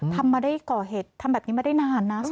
ทำมาได้ก่อเหตุทำแบบนี้มาได้นานนะ